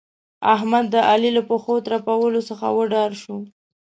احمد؛ د علي له پښو ترپولو څخه وډار شو.